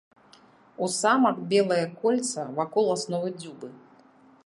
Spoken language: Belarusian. У самак белае кольца вакол асновы дзюбы.